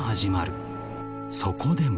［そこでも］